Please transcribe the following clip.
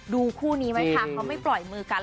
คู่นี้ไหมคะเขาไม่ปล่อยมือกัน